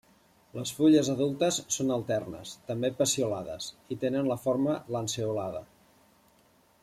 Les fulles adultes són alternes, també peciolades, i tenen la forma lanceolada.